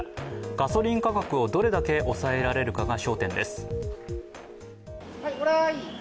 ガソリン価格をどれだけ抑えられるかが焦点です。